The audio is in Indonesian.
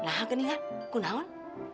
nah gini kan kunaun